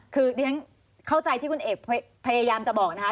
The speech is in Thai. คือเรียนเข้าใจที่คุณเอกพยายามจะบอกนะคะ